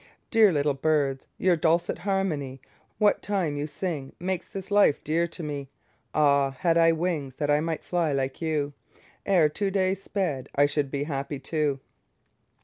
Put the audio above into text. Dear little birds, your dulcet harmony What time you sing makes this life dear to me. Ah! had I wings that I might fly like you; Ere two days sped I should be happy too.